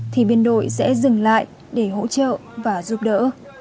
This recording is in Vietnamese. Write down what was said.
thì biên đội sẽ dừng lại để hỗ trợ và giúp đỡ